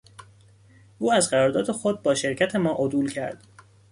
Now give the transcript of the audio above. او از قرارداد خود با شرکت ما عدول کرد.